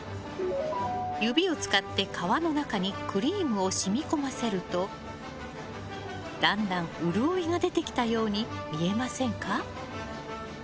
指を使って革の中にクリームを染み込ませるとだんだん潤いが出てきたように見えませんか？